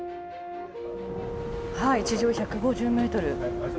はい、地上１５０ｍ。